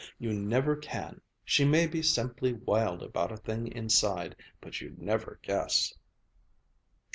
You never can. She may be simply wild about a thing inside, but you'd never guess."